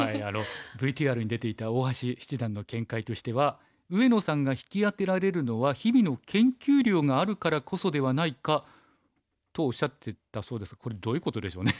ＶＴＲに出ていた大橋七段の見解としては「上野さんが引き当てられるのは日々の研究量があるからこそではないか」とおっしゃっていたそうですがこれどういうことでしょうね。